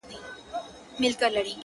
زما مڼه په کار ده، که څه له ولي څخه وي.